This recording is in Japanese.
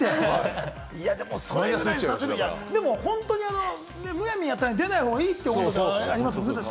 でも本当に、むやみやたらに出ない方がいいということありますもんね。